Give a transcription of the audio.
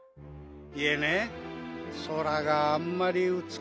いえねそらがあんまりうつくしいもんですからね。